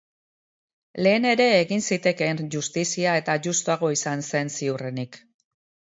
Lehen ere egin zitekeen justizia eta justuagoa izango zen ziurrenik.